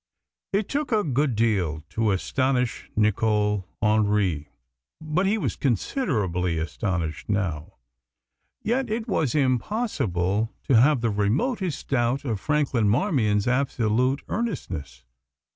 It took a good deal to astonish Nicol Hendry, but he was considerably astonished now. Yet it was impossible to have the remotest doubt of Franklin Marmion's absolute earnestness.